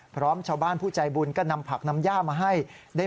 พร้อมชาวบ้านผู้ใจบุญก็นำผักนำย่ามาให้